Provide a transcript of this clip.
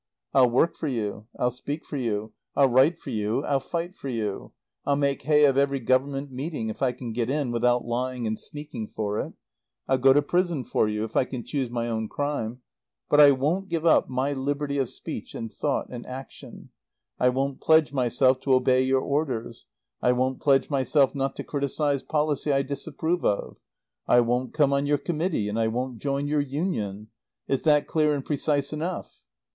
"I'll work for you; I'll speak for you; I'll write for you; I'll fight for you. I'll make hay of every Government meeting, if I can get in without lying and sneaking for it. I'll go to prison for you, if I can choose my own crime. But I won't give up my liberty of speech and thought and action. I won't pledge myself to obey your orders. I won't pledge myself not to criticize policy I disapprove of. I won't come on your Committee, and I won't join your Union. Is that clear and precise enough?"